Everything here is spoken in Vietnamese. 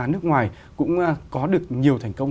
nước ngoài cũng có được nhiều thành công